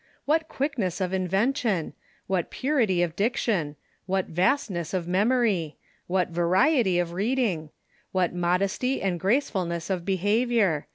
What quickness of invention ! AVliat purity of dic tion ! What vastness of memory ! What variety of reading ! What modesty and gracefulness of behavior!